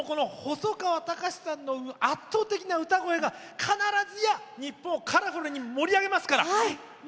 細川たかしさんの圧倒的な歌声が必ずや日本をカラフルに盛り上げますから。